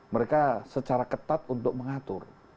mereka secara ketat untuk mengatur